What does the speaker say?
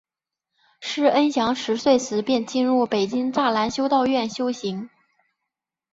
师恩祥十岁时便进入北京栅栏修道院修行。